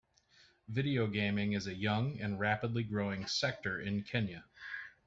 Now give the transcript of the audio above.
Video gaming is a young and rapidly growing sector in Kenya.